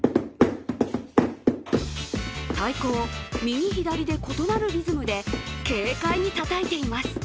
太鼓を右左で異なるリズムで軽快にたたいています。